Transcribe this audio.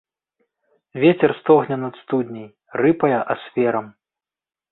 Вецер стогне над студняй, рыпае асверам.